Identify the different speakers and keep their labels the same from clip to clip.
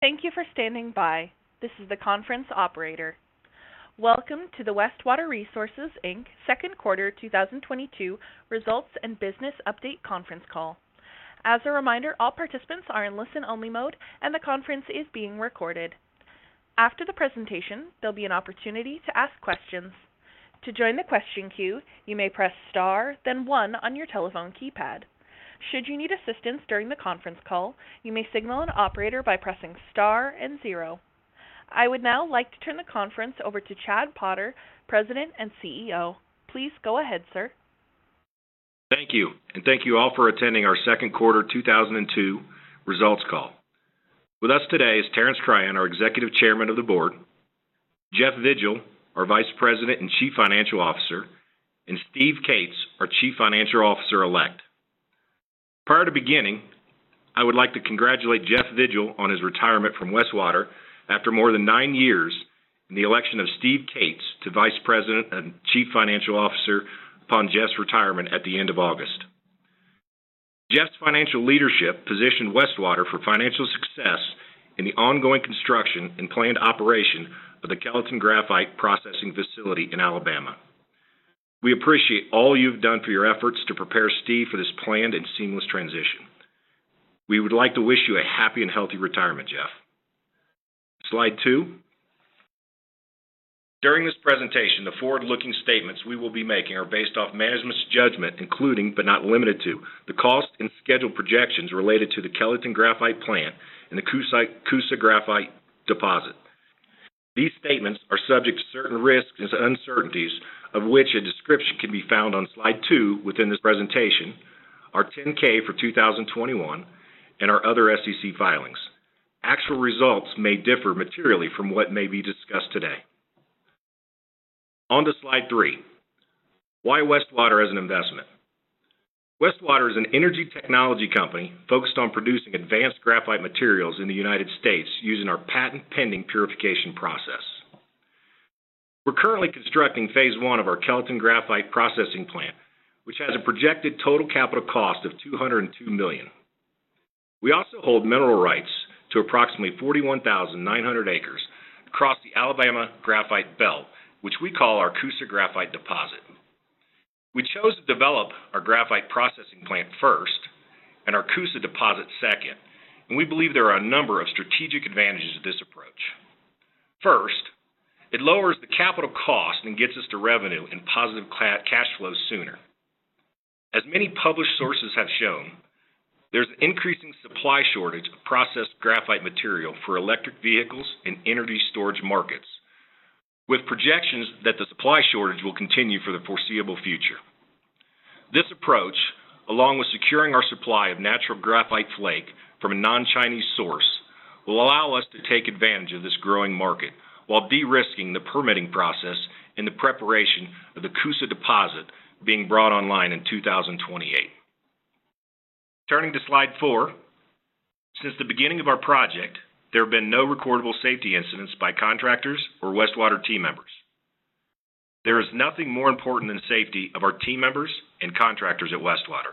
Speaker 1: Thank you for standing by. This is the conference operator. Welcome to the Westwater Resources, Inc second quarter 2022 results and business update conference call. As a reminder, all participants are in listen-only mode, and the conference is being recorded. After the presentation, there'll be an opportunity to ask questions. To join the question queue, you may press star, then one on your telephone keypad. Should you need assistance during the conference call, you may signal an operator by pressing star and zero. I would now like to turn the conference over to Chad Potter, President and CEO. Please go ahead, sir.
Speaker 2: Thank you. Thank you all for attending our second quarter 2022 results call. With us today is Terence Cryan, our Executive Chairman of the Board, Jeff Vigil, our Vice President and Chief Financial Officer, and Steve Cates, our Chief Financial Officer Elect. Prior to beginning, I would like to congratulate Jeff Vigil on his retirement from Westwater after more than 9 years in the election of Steve Cates to Vice President and Chief Financial Officer upon Jeff's retirement at the end of August. Jeff's financial leadership positioned Westwater for financial success in the ongoing construction and planned operation of the Kellyton Graphite Processing Facility in Alabama. We appreciate all you've done for your efforts to prepare Steve for this planned and seamless transition. We would like to wish you a happy and healthy retirement, Jeff. Slide 2. During this presentation, the forward-looking statements we will be making are based off management's judgment, including, but not limited to, the cost and schedule projections related to the Kellyton Graphite Plant and the Coosa Graphite Deposit. These statements are subject to certain risks and uncertainties, of which a description can be found on slide 2 within this presentation, our 10-K for 2021, and our other SEC filings. Actual results may differ materially from what may be discussed today. On to slide 3. Why Westwater as an investment? Westwater is an energy technology company focused on producing advanced graphite materials in the United States using our patent-pending purification process. We're currently constructing phase I of our Kellyton Graphite processing plant, which has a projected total capital cost of $202 million. We also hold mineral rights to approximately 41,900 acres across the Alabama Graphite Belt, which we call our Coosa Graphite Deposit. We chose to develop our graphite processing plant first and our Coosa deposit second, and we believe there are a number of strategic advantages to this approach. First, it lowers the capital cost and gets us to revenue and positive cash flow sooner. As many published sources have shown, there's increasing supply shortage of processed graphite material for electric vehicles and energy storage markets, with projections that the supply shortage will continue for the foreseeable future. This approach, along with securing our supply of natural graphite flake from a non-Chinese source, will allow us to take advantage of this growing market while de-risking the permitting process and the preparation of the Coosa deposit being brought online in 2028. Turning to slide 4. Since the beginning of our project, there have been no recordable safety incidents by contractors or Westwater team members. There is nothing more important than safety of our team members and contractors at Westwater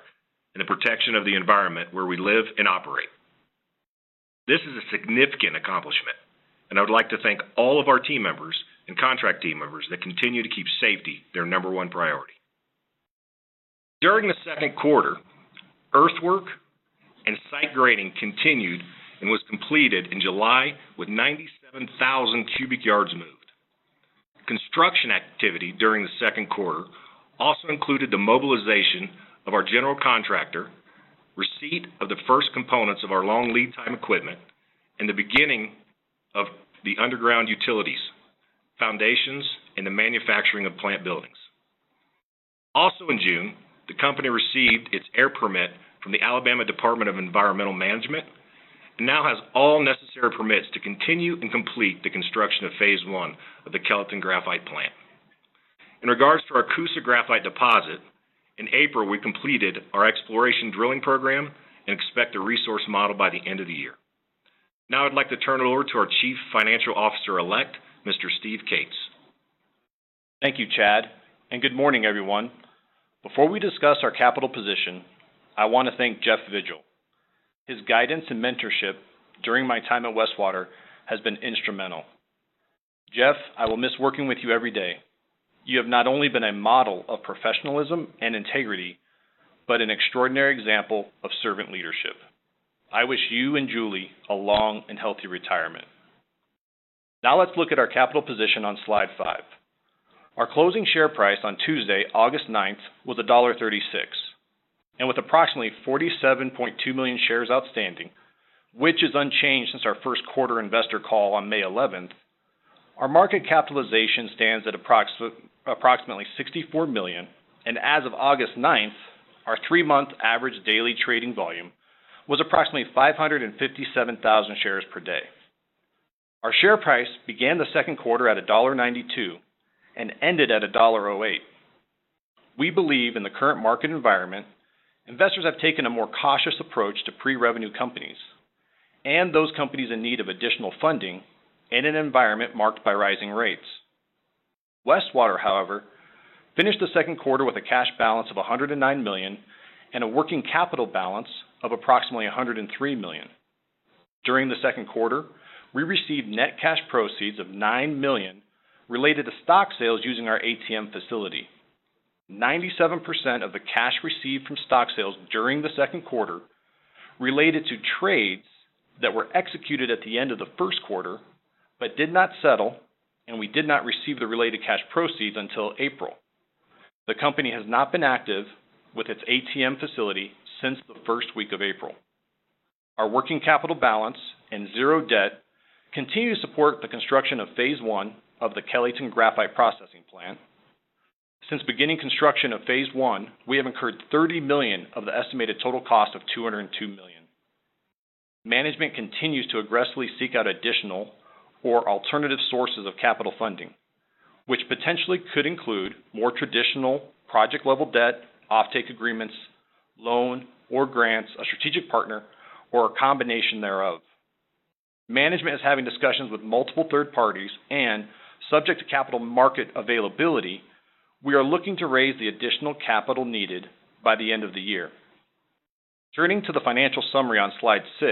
Speaker 2: and the protection of the environment where we live and operate. This is a significant accomplishment, and I would like to thank all of our team members and contract team members that continue to keep safety their number one priority. During the second quarter, earthwork and site grading continued and was completed in July with 97,000 cubic yards moved. Construction activity during the second quarter also included the mobilization of our general contractor, receipt of the first components of our long lead time equipment, and the beginning of the underground utilities, foundations, and the manufacturing of plant buildings. Also in June, the company received its air permit from the Alabama Department of Environmental Management and now has all necessary permits to continue and complete the construction of phase I of the Kellyton Graphite Plant. In regards to our Coosa Graphite Deposit, in April, we completed our exploration drilling program and expect a resource model by the end of the year. Now I'd like to turn it over to our Chief Financial Officer Elect, Mr. Steve Cates.
Speaker 3: Thank you, Chad, and good morning, everyone. Before we discuss our capital position, I wanna thank Jeff Vigil. His guidance and mentorship during my time at Westwater has been instrumental. Jeff, I will miss working with you every day. You have not only been a model of professionalism and integrity, but an extraordinary example of servant leadership. I wish you and Julie a long and healthy retirement. Now let's look at our capital position on slide 5. Our closing share price on Tuesday, August 9th, was $1.36, and with approximately 47.2 million shares outstanding, which is unchanged since our first quarter investor call on May 11th, our market capitalization stands at approximately $64 million, and as of August 9th, our 3-month average daily trading volume was approximately 557,000 shares per day. Our share price began the second quarter at $1.92 and ended at $1.08. We believe in the current market environment, investors have taken a more cautious approach to pre-revenue companies and those companies in need of additional funding in an environment marked by rising rates. Westwater, however, finished the second quarter with a cash balance of $109 million and a working capital balance of approximately $103 million. During the second quarter, we received net cash proceeds of $9 million related to stock sales using our ATM facility. 97% of the cash received from stock sales during the second quarter related to trades that were executed at the end of the first quarter but did not settle and we did not receive the related cash proceeds until April. The company has not been active with its ATM facility since the first week of April. Our working capital balance and zero debt continue to support the construction of phase I of the Kellyton Graphite Processing Plant. Since beginning construction of phase I, we have incurred $30 million of the estimated total cost of $202 million. Management continues to aggressively seek out additional or alternative sources of capital funding, which potentially could include more traditional project-level debt, offtake agreements, loan or grants, a strategic partner, or a combination thereof. Management is having discussions with multiple third parties and, subject to capital market availability, we are looking to raise the additional capital needed by the end of the year. Turning to the financial summary on slide 6,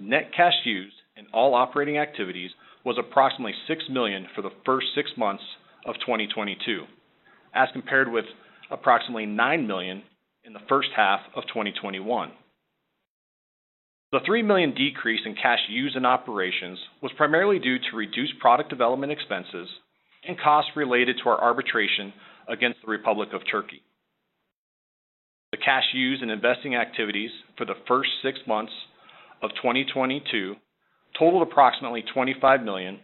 Speaker 3: net cash used in all operating activities was approximately $6 million for the first 6 months of 2022, as compared with approximately $9 million in the first half of 2021. The $3 million decrease in cash used in operations was primarily due to reduced product development expenses and costs related to our arbitration against the Republic of Turkey. The cash used in investing activities for the first 6 months of 2022 totaled approximately $25 million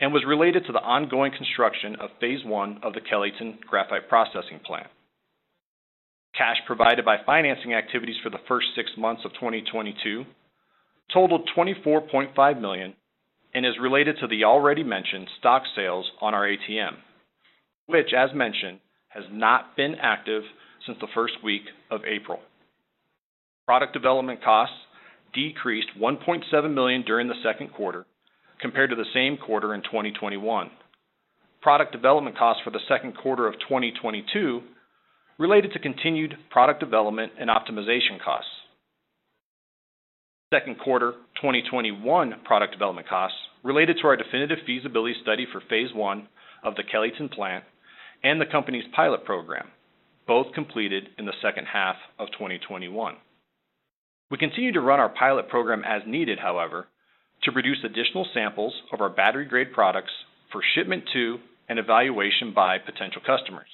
Speaker 3: and was related to the ongoing construction of phase I of the Kellyton Graphite Processing Plant. Cash provided by financing activities for the first 6 months of 2022 totaled $24.5 million and is related to the already mentioned stock sales on our ATM, which as mentioned, has not been active since the first week of April. Product development costs decreased $1.7 million during the second quarter compared to the same quarter in 2021. Product development costs for the second quarter of 2022 related to continued product development and optimization costs. Second quarter 2021 product development costs related to our definitive feasibility study for phase I of the Kellyton Plant and the company's pilot program, both completed in the second half of 2021. We continue to run our pilot program as needed, however, to produce additional samples of our battery-grade products for shipment to and evaluation by potential customers.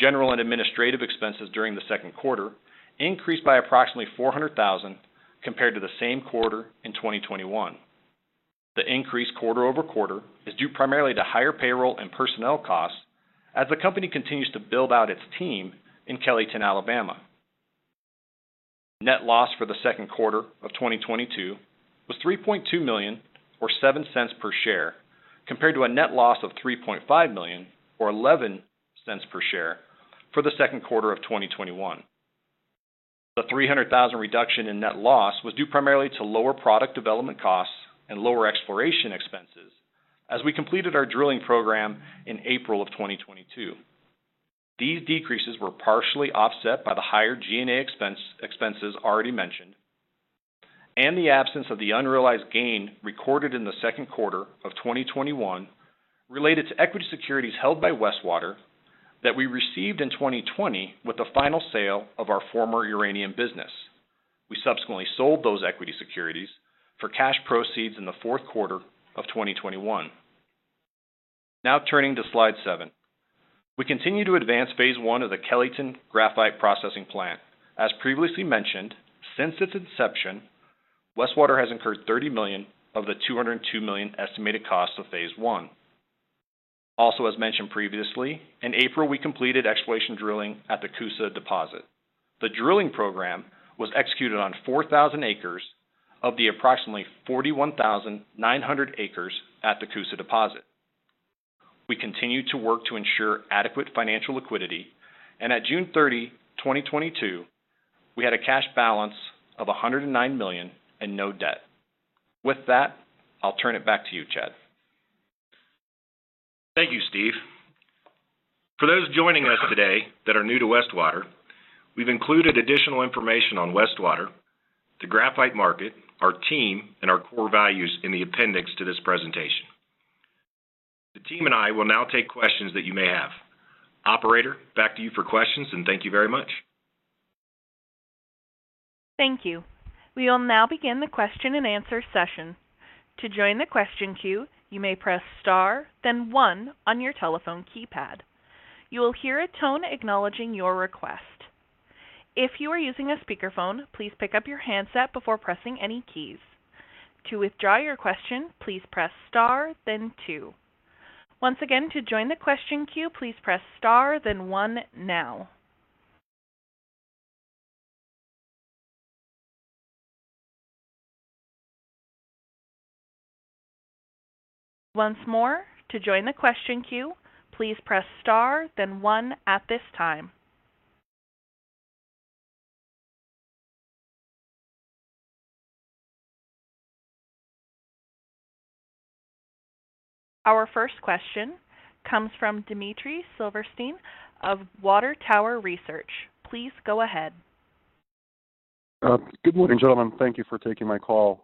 Speaker 3: General and administrative expenses during the second quarter increased by approximately $400,000 compared to the same quarter in 2021. The increase quarter-over-quarter is due primarily to higher payroll and personnel costs as the company continues to build out its team in Kellyton, Alabama. Net loss for the second quarter of 2022 was $3.2 million or $0.07 per share, compared to a net loss of $3.5 million or $0.11 per share for the second quarter of 2021. The $300,000 reduction in net loss was due primarily to lower product development costs and lower exploration expenses as we completed our drilling program in April of 2022. These decreases were partially offset by the higher G&A expense, expenses already mentioned and the absence of the unrealized gain recorded in the second quarter of 2021 related to equity securities held by Westwater that we received in 2020 with the final sale of our former uranium business. We subsequently sold those equity securities for cash proceeds in the fourth quarter of 2021. Now turning to slide 7. We continue to advance phase I of the Kellyton Graphite Processing Plant. As previously mentioned, since its inception, Westwater has incurred $30 million of the $202 million estimated cost of phase I. Also, as mentioned previously, in April, we completed exploration drilling at the Coosa Deposit. The drilling program was executed on 4,000 acres of the approximately 41,900 acres at the Coosa Deposit. We continue to work to ensure adequate financial liquidity, and at June 30, 2022, we had a cash balance of $109 million and no debt. With that, I'll turn it back to you, Chad.
Speaker 2: Thank you, Steve. For those joining us today that are new to Westwater, we've included additional information on Westwater, the graphite market, our team, and our core values in the appendix to this presentation. The team and I will now take questions that you may have. Operator, back to you for questions, and thank you very much.
Speaker 1: Thank you. We will now begin the question-and-answer session. To join the question queue, you may press star then one on your telephone keypad. You will hear a tone acknowledging your request. If you are using a speakerphone, please pick up your handset before pressing any keys. To withdraw your question, please press star then two. Once again, to join the question queue, please press star then one now. Once more, to join the question queue, please press star then one at this time. Our first question comes from Dmitry Silversteyn of Water Tower Research. Please go ahead.
Speaker 4: Good morning, gentlemen. Thank you for taking my call.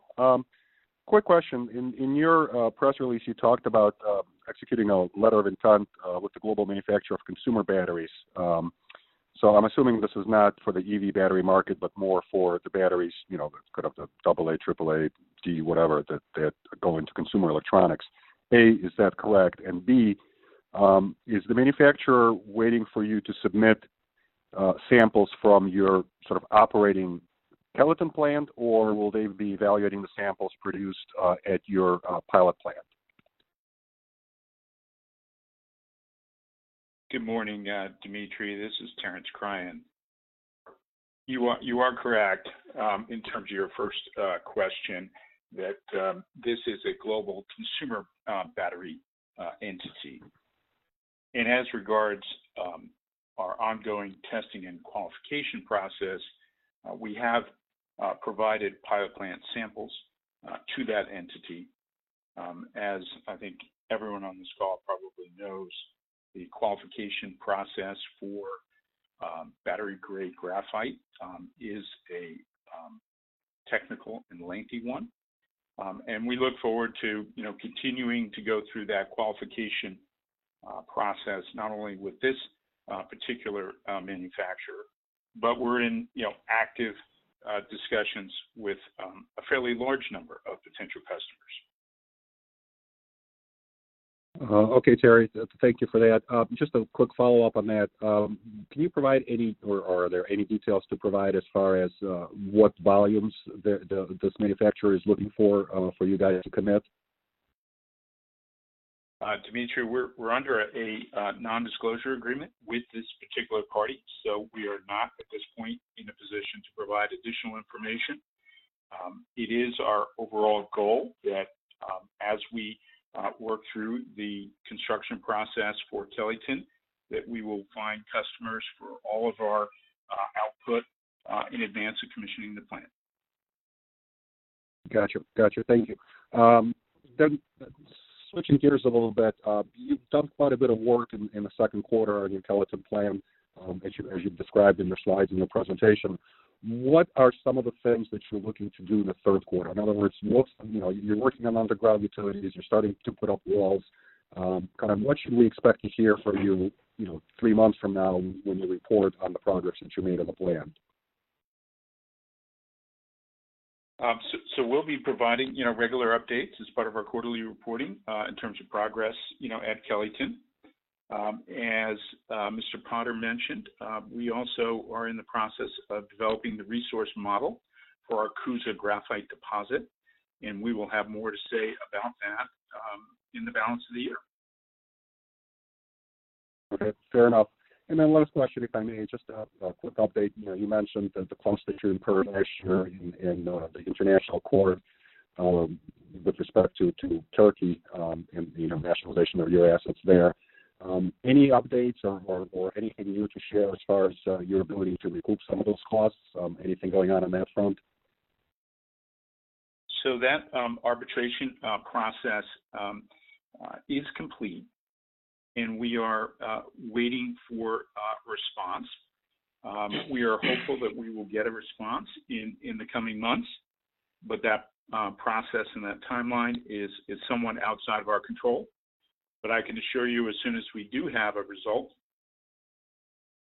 Speaker 4: Quick question. In your press release, you talked about executing a letter of intent with the global manufacturer of consumer batteries. I'm assuming this is not for the EV battery market, but more for the batteries, you know, the sort of AA, AAA, D, whatever that go into consumer electronics. A, is that correct? And B, is the manufacturer waiting for you to submit samples from your sort of operating Kellyton plant, or will they be evaluating the samples produced at your pilot plant?
Speaker 5: Good morning, Dmitry. This is Terence Cryan. You are correct in terms of your first question that this is a global consumer battery entity. As regards our ongoing testing and qualification process, we have provided pilot plant samples to that entity. As I think everyone on this call probably knows, the qualification process for battery-grade graphite is a technical and lengthy one. We look forward to you know, continuing to go through that qualification process, not only with this particular manufacturer, but we're in you know, active discussions with a fairly large number of potential customers.
Speaker 4: Okay, Terence. Thank you for that. Just a quick follow-up on that. Can you provide any or are there any details to provide as far as what volumes this manufacturer is looking for for you guys to commit?
Speaker 5: Dmitry, we're under a nondisclosure agreement with this particular party, so we are not, at this point, in a position to provide additional information. It is our overall goal that, as we work through the construction process for Kellyton, that we will find customers for all of our output, in advance of commissioning the plant.
Speaker 4: Gotcha. Thank you. Switching gears a little bit, you've done quite a bit of work in the second quarter on your Kellyton plant, as you've described in your slides in your presentation. What are some of the things that you're looking to do in the third quarter? In other words, you know, you're working on underground utilities. You're starting to put up walls. Kind of what should we expect to hear from you know, three months from now when you report on the progress that you made on the plant?
Speaker 5: We'll be providing, you know, regular updates as part of our quarterly reporting in terms of progress, you know, at Kellyton. As Mr. Potter mentioned, we also are in the process of developing the resource model for our Coosa Graphite Deposit, and we will have more to say about that in the balance of the year.
Speaker 4: Okay, fair enough. Then last question, if I may. Just a quick update. You know, you mentioned the claims that you incurred last year in the international court with respect to Turkey, and you know, nationalization of your assets there. Any updates or anything you want to share as far as your ability to recoup some of those costs? Anything going on that front?
Speaker 5: That arbitration process is complete, and we are waiting for a response. We are hopeful that we will get a response in the coming months, but that process and that timeline is somewhat outside of our control. I can assure you, as soon as we do have a result,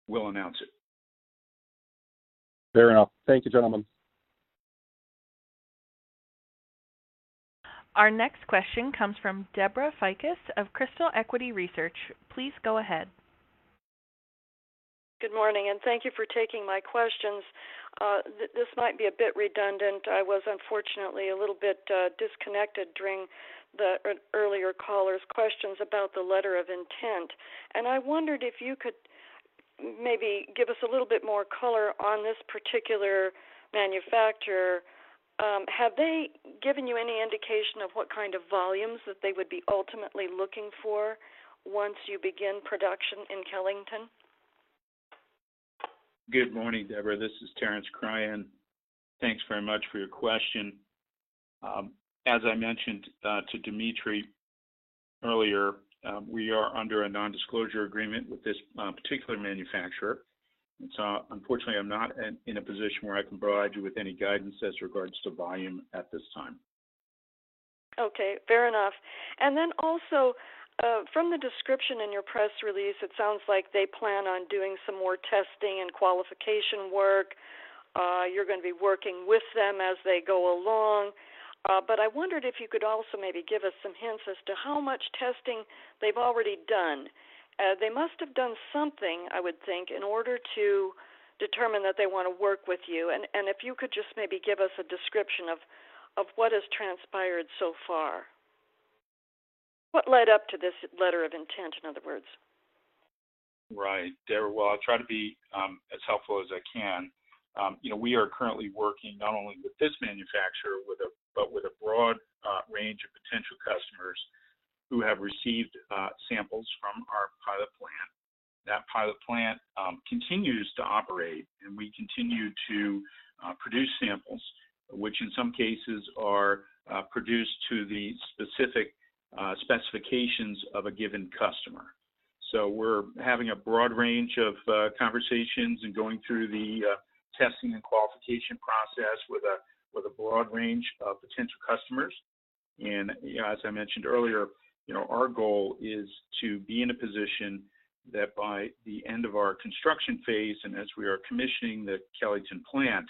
Speaker 5: we'll announce it.
Speaker 4: Fair enough. Thank you, gentlemen.
Speaker 1: Our next question comes from Debra Fiakas of Crystal Equity Research. Please go ahead.
Speaker 6: Good morning, and thank you for taking my questions. This might be a bit redundant. I was unfortunately a little bit disconnected during the earlier caller's questions about the letter of intent, and I wondered if you could maybe give us a little bit more color on this particular manufacturer. Have they given you any indication of what kind of volumes that they would be ultimately looking for once you begin production in Kellyton?
Speaker 5: Good morning, Debra. This is Terence Cryan. Thanks very much for your question. As I mentioned to Dmitry earlier, we are under a nondisclosure agreement with this particular manufacturer. Unfortunately, I'm not in a position where I can provide you with any guidance as regards to volume at this time.
Speaker 6: Okay, fair enough. From the description in your press release, it sounds like they plan on doing some more testing and qualification work. You're gonna be working with them as they go along. I wondered if you could also maybe give us some hints as to how much testing they've already done. They must have done something, I would think, in order to determine that they wanna work with you. If you could just maybe give us a description of what has transpired so far. What led up to this letter of intent, in other words?
Speaker 5: Right. Debra, well, I'll try to be as helpful as I can. You know, we are currently working not only with this manufacturer but with a broad range of potential customers who have received samples from our plant. The plant continues to operate, and we continue to produce samples, which in some cases are produced to the specific specifications of a given customer. So we're having a broad range of conversations and going through the testing and qualification process with a broad range of potential customers. You know, as I mentioned earlier, you know, our goal is to be in a position that by the end of our construction phase, and as we are commissioning the Kellyton plant,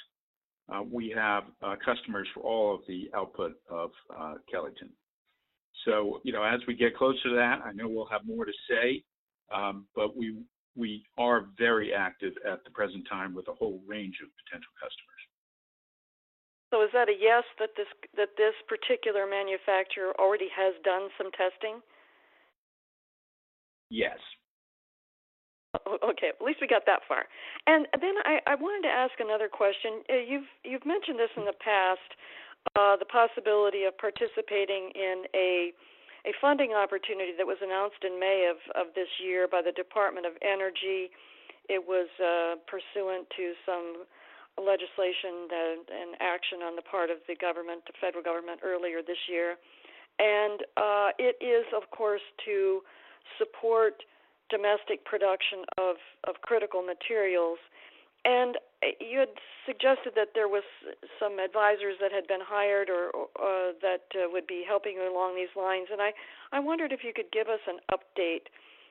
Speaker 5: we have customers for all of the output of Kellyton. You know, as we get closer to that, I know we'll have more to say, but we are very active at the present time with a whole range of potential customers.
Speaker 6: Is that a yes that this particular manufacturer already has done some testing?
Speaker 5: Yes.
Speaker 6: Okay. At least we got that far. I wanted to ask another question. You've mentioned this in the past, the possibility of participating in a funding opportunity that was announced in May of this year by the Department of Energy. It was pursuant to some legislation and action on the part of the government, the federal government earlier this year. It is of course to support domestic production of critical materials. You had suggested that there was some advisors that had been hired or that would be helping you along these lines, and I wondered if you could give us an update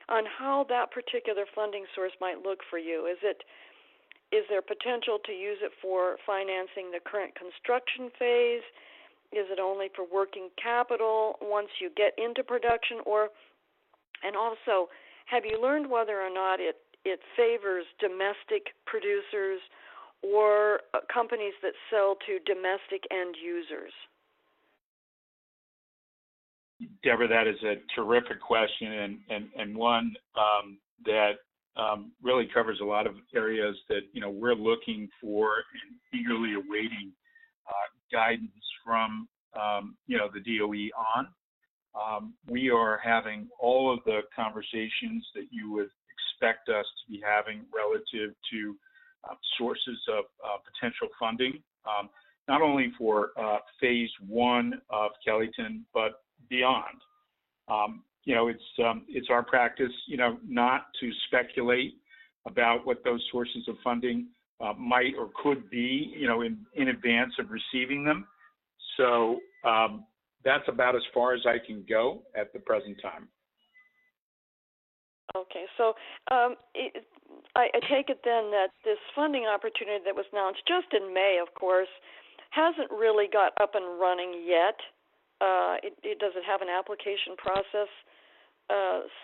Speaker 6: on how that particular funding source might look for you. Is there potential to use it for financing the current construction phase? Is it only for working capital once you get into production, or? Also, have you learned whether or not it favors domestic producers or companies that sell to domestic end users?
Speaker 5: Debra, that is a terrific question and one that really covers a lot of areas that, you know, we're looking for and eagerly awaiting guidance from, you know, the DOE on. We are having all of the conversations that you would expect us to be having relative to sources of potential funding not only for phase I of Kellyton, but beyond. You know, it's our practice, you know, not to speculate about what those sources of funding might or could be, you know, in advance of receiving them. That's about as far as I can go at the present time.
Speaker 6: I take it then that this funding opportunity that was announced just in May, of course, hasn't really got up and running yet. Does it have an application process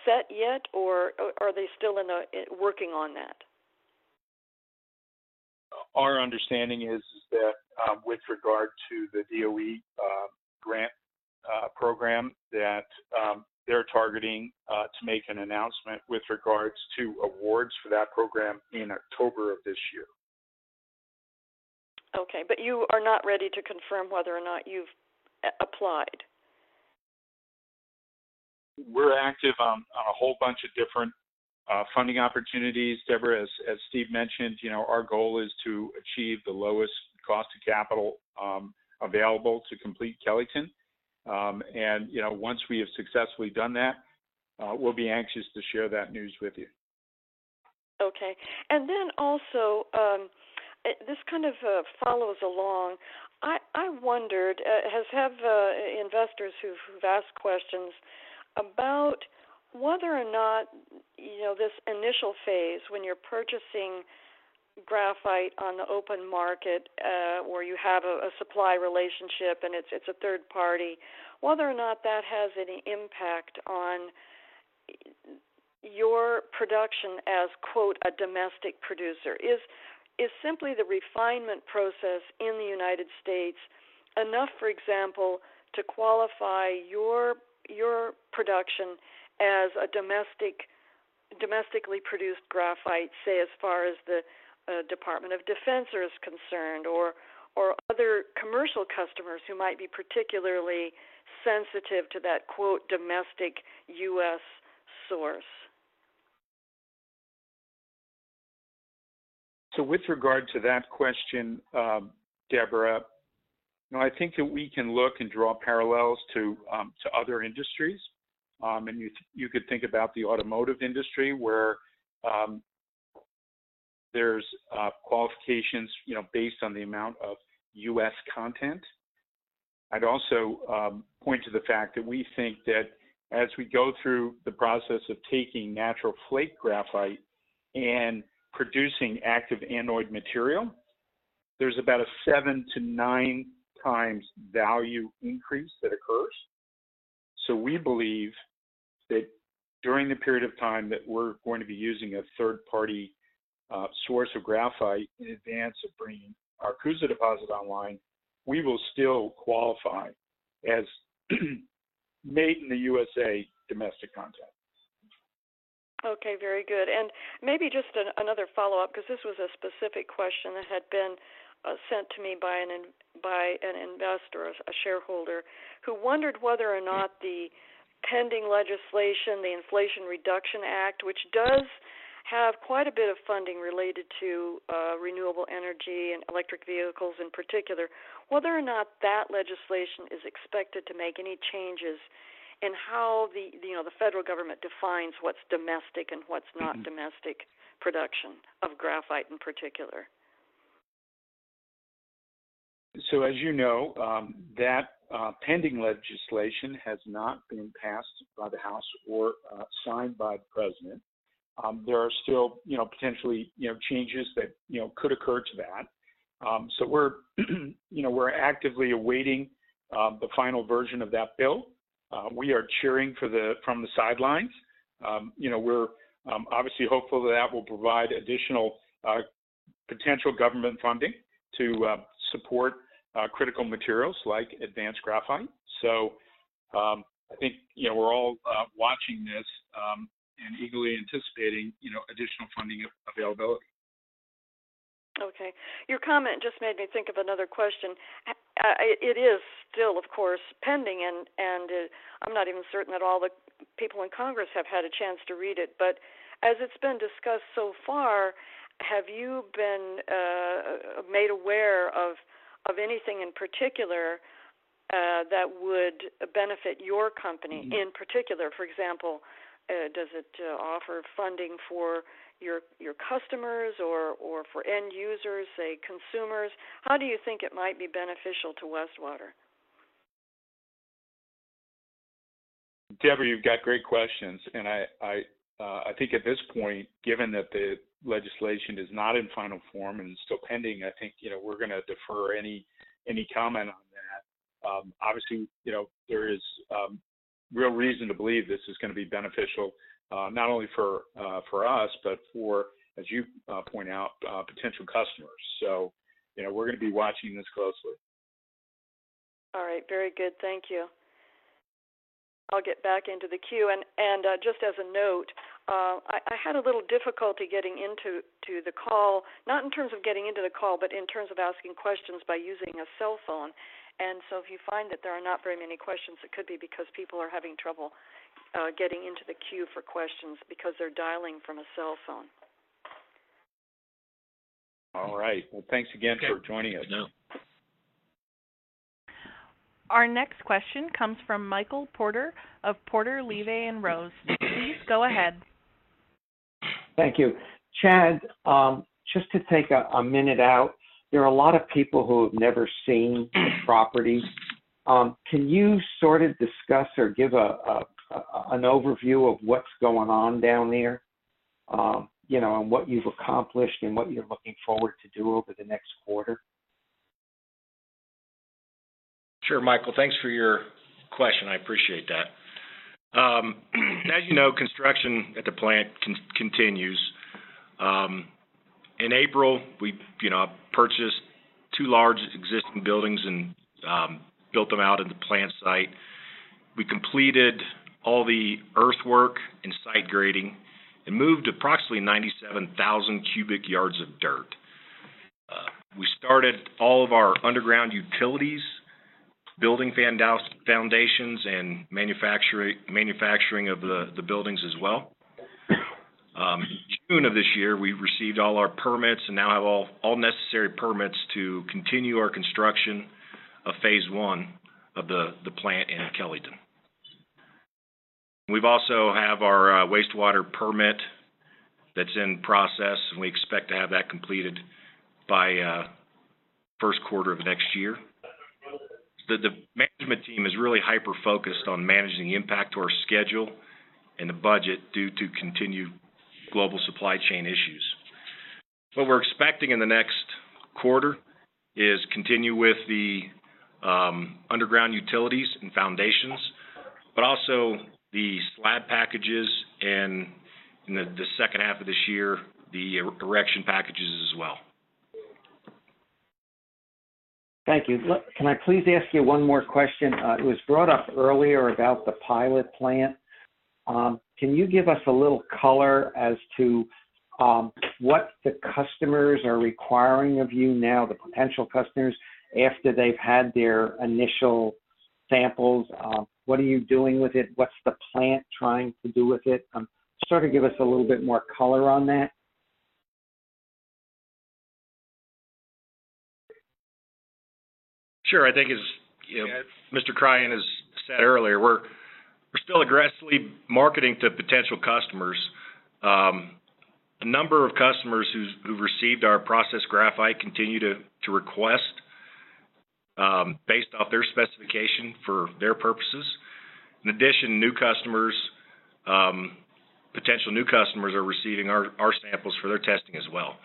Speaker 6: set yet, or are they still working on that?
Speaker 5: Our understanding is that with regard to the DOE grant program that they're targeting to make an announcement with regards to awards for that program in October of this year.
Speaker 6: Okay, you are not ready to confirm whether or not you've applied.
Speaker 5: We're active on a whole bunch of different funding opportunities, Debra. As Steve mentioned, you know, our goal is to achieve the lowest cost of capital available to complete Kellyton. You know, once we have successfully done that, we'll be anxious to share that news with you.
Speaker 6: Okay. This kind of follows along. I wondered, as have investors who've asked questions about whether or not, you know, this initial phase, when you're purchasing graphite on the open market, where you have a supply relationship and it's a third party, whether or not that has any impact on your production as "a domestic producer." Is simply the refinement process in the United States enough, for example, to qualify your production as a domestic, domestically produced graphite, say as far as the Department of Defense is concerned or other commercial customers who might be particularly sensitive to that "domestic U.S. source?
Speaker 5: With regard to that question, Debra, you know, I think that we can look and draw parallels to other industries. You could think about the automotive industry, where there's qualifications, you know, based on the amount of U.S. content. I'd also point to the fact that we think that as we go through the process of taking natural flake graphite and producing active anode material, there's about a 7x-9x value increase that occurs. We believe that during the period of time that we're going to be using a third-party source of graphite in advance of bringing our Coosa deposit online, we will still qualify as made in the U.S.A. domestic content.
Speaker 6: Okay, very good. Maybe just another follow-up, 'cause this was a specific question that had been sent to me by an investor, a shareholder, who wondered whether or not the pending legislation, the Inflation Reduction Act, which does have quite a bit of funding related to renewable energy and electric vehicles in particular. Whether or not that legislation is expected to make any changes in how the federal government defines what's domestic and what's not domestic production of graphite in particular?
Speaker 5: As you know, that pending legislation has not been passed by the House or signed by the President. There are still, you know, potentially, you know, changes that, you know, could occur to that. We're, you know, we're actively awaiting the final version of that bill. We are cheering from the sidelines. You know, we're obviously hopeful that that will provide additional potential government funding to support critical materials like advanced graphite. I think, you know, we're all watching this and eagerly anticipating, you know, additional funding available.
Speaker 6: Okay. Your comment just made me think of another question. It is still, of course, pending. I'm not even certain that all the people in Congress have had a chance to read it. As it's been discussed so far, have you been made aware of anything in particular that would benefit your company in particular? For example, does it offer funding for your customers or for end users, say, consumers? How do you think it might be beneficial to Westwater?
Speaker 5: Debra, you've got great questions. I think at this point, given that the legislation is not in final form and is still pending, I think, you know, we're gonna defer any comment on that. Obviously, you know, there is real reason to believe this is gonna be beneficial, not only for us, but for, as you point out, potential customers. You know, we're gonna be watching this closely.
Speaker 6: All right. Very good. Thank you. I'll get back into the queue. Just as a note, I had a little difficulty getting into the call, not in terms of getting into the call, but in terms of asking questions by using a cellphone. If you find that there are not very many questions, it could be because people are having trouble getting into the queue for questions because they're dialing from a cellphone.
Speaker 5: All right. Well, thanks again for joining us.
Speaker 1: Our next question comes from Michael Porter of Porter, LeVay & Rose. Please go ahead.
Speaker 7: Thank you. Chad, just to take a minute out, there are a lot of people who have never seen the property. Can you sort of discuss or give an overview of what's going on down there, you know, and what you've accomplished and what you're looking forward to do over the next quarter?
Speaker 2: Sure, Michael. Thanks for your question. I appreciate that. As you know, construction at the plant continues. In April, we, you know, purchased two large existing buildings and built them out at the plant site. We completed all the earthwork and site grading and moved approximately 97,000 cubic yards of dirt. We started all of our underground utilities, building foundations, and manufacturing of the buildings as well. June of this year, we received all our permits and now have all necessary permits to continue our construction of phase I of the plant in Kellyton. We've also have our wastewater permit that's in process, and we expect to have that completed by first quarter of next year. The management team is really hyper-focused on managing impact to our schedule and the budget due to continued global supply chain issues. What we're expecting in the next quarter is continue with the underground utilities and foundations, but also the slab packages and in the second half of this year, the erection packages as well.
Speaker 7: Thank you. Can I please ask you one more question? It was brought up earlier about the pilot plant. Can you give us a little color as to what the customers are requiring of you now, the potential customers, after they've had their initial samples? What are you doing with it? What's the plant trying to do with it? Sort of give us a little bit more color on that.
Speaker 2: Sure. I think as you know, Mr. Cryan has said earlier, we're still aggressively marketing to potential customers. A number of customers who've received our processed graphite continue to request based on their specification for their purposes. In addition, new customers, potential new customers are receiving our samples for their testing as well.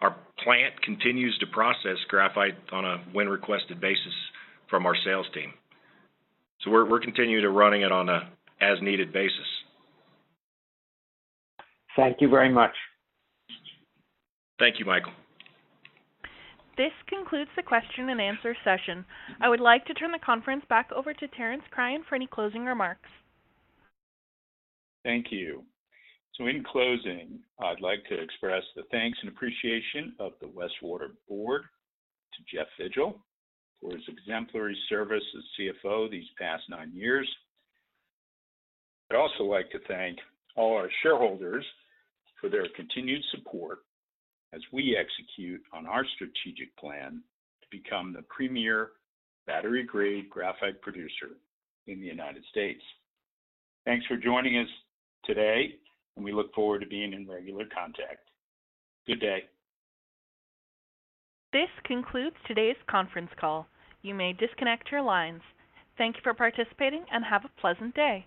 Speaker 2: Our plant continues to process graphite on an as-requested basis from our sales team. We're continuing to run it on an as-needed basis.
Speaker 7: Thank you very much.
Speaker 2: Thank you, Michael.
Speaker 1: This concludes the question-and-answer session. I would like to turn the conference back over to Terence Cryan for any closing remarks.
Speaker 5: Thank you. In closing, I'd like to express the thanks and appreciation of the Westwater Board to Jeff Vigil for his exemplary service as CFO these past 9 years. I'd also like to thank all our shareholders for their continued support as we execute on our strategic plan to become the premier battery-grade graphite producer in the United States. Thanks for joining us today, and we look forward to being in regular contact. Good day.
Speaker 1: This concludes today's conference call. You may disconnect your lines. Thank you for participating, and have a pleasant day.